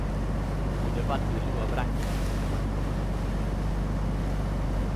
O debate de luva branca rematou aquí.